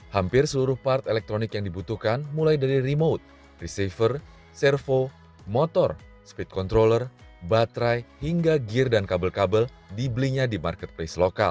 hampir seluruh part elektronik yang dibutuhkan mulai dari remote receiver servo motor speed controller baterai hingga gear dan kabel kabel dibelinya di marketplace lokal